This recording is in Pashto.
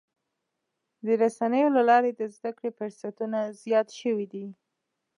د رسنیو له لارې د زدهکړې فرصتونه زیات شوي دي.